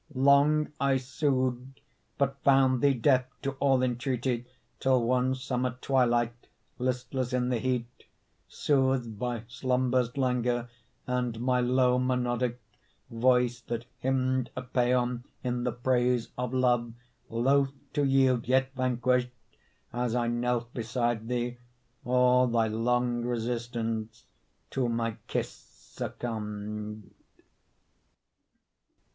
Long I sued but found thee Deaf to all entreaty, Till one summer twilight Listless in the heat; Soothed by slumber's languor, And my low monodic Voice that hymned a paean In the praise of love; Loth to yield yet vanquished, As I knelt beside thee, All thy long resistance To my kiss succumbed.